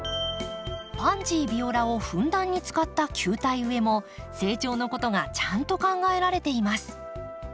パンジー・ビオラをふんだんに使った球体植えも成長のことがちゃんと考えられています。